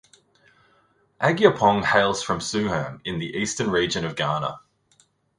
Agyapong hails from suhum in the eastern region of Ghana.